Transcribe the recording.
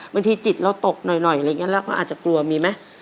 บางทีจิตเราตกหน่อยอะไรอย่างนี้เราก็อาจจะกลัวมีไหม